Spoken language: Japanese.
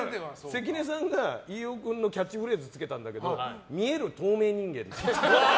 関根さんが飯尾君のキャッチフレーズつけたんだけど見える透明人間って。